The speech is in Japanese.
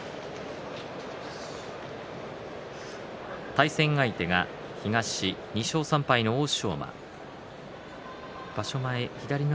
対戦相手が東２勝３敗の欧勝馬。